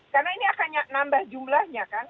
karena ini akan nambah jumlahnya kan